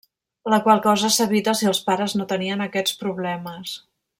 La qual cosa s'evita si els pares no tenien aquests problemes.